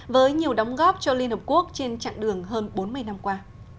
với nhiều đóng góp cho liên hợp quốc trên chặng đường hơn bốn mươi năm qua